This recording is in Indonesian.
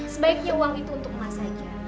sebaiknya uang itu untuk emas saja